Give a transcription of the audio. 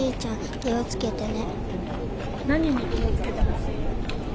気をつけてね。